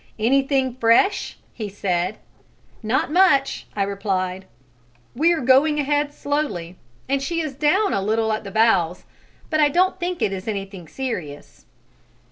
"Anything fresh?" he said. "Not much," I replied; "we are going ahead slowly and she is down a little at the bows, but I don't think it is anything serious."